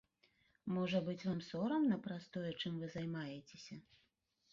Можа быць, вам сорамна праз тое, чым вы займаецеся?